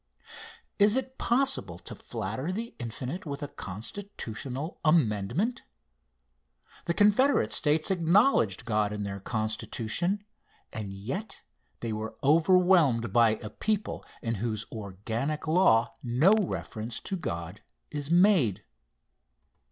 Is it possible to flatter the Infinite with a constitutional amendment? The Confederate States acknowledged God in their constitution, and yet they were overwhelmed by a people in whose organic law no reference to God is made.